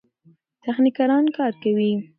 تخنیکران کار کوي.